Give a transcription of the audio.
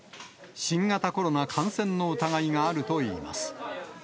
新型コロナ感染の疑いがあるといいます。